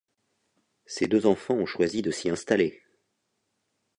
Ses deux enfants ont choisi de s'y installer.